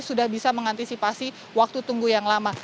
sudah bisa mengantisipasi waktu tunggu yang lama